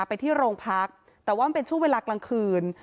ไปที่โรงพักแต่ว่ามันเป็นช่วงเวลากลางคืน